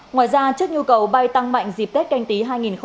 ngoài ra trước nhu cầu bay tăng mạnh dịp tết canh tí hai nghìn hai mươi